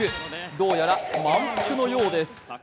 どうやら満腹のようです。